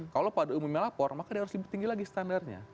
kalau pada umumnya lapor maka dia harus lebih tinggi lagi standarnya